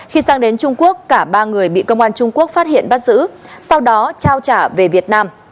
khi sang đến trung quốc cả ba người bị công an trung quốc phát hiện bắt giữ sau đó trao trả về việt nam